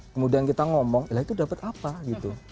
kemudian kita ngomong lah itu dapat apa gitu